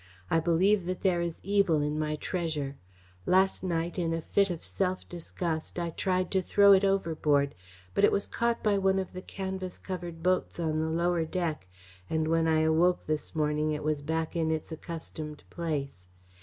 I believe that there is evil in my treasure. Last night, in a fit of self disgust, I tried to throw it overboard, but it was caught by one of the canvas covered boats on the lower deck and when I awoke this morning it was back in its accustomed place.